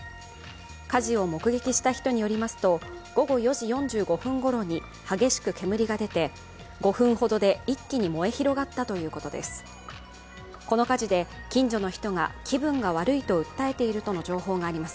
火事を目撃した人によりますと午後４時４５分ごろに激しく煙が出て５分ほどで一気に燃え広がったということです。